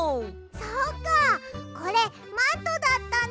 そっかこれマントだったんだ。